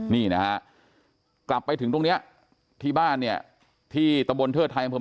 นี่นะฮะกลับไปถึงตรงนี้ที่บ้านเนี่ยที่ตะบนเทิดไทยอำเภอ